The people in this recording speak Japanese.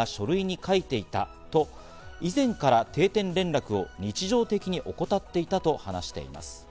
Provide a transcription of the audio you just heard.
帰港した後に船長が書類に書いていたと、以前から定点連絡を日常的に怠っていたと話しています。